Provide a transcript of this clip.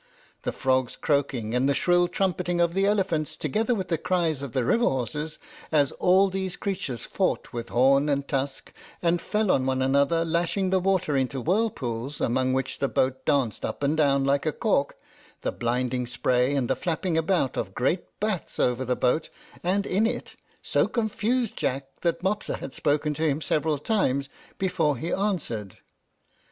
The frogs croaking, and the shrill trumpeting of the elephants, together with the cries of the river horses, as all these creatures fought with horn and tusk, and fell on one another, lashing the water into whirlpools, among which the boat danced up and down like a cork, the blinding spray, and the flapping about of great bats over the boat and in it, so confused Jack, that Mopsa had spoken to him several times before he answered.